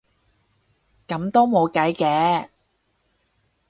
噉都冇計嘅